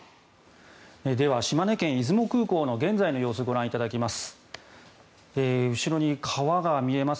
では島根県・出雲空港の現在の様子をご覧いただきます。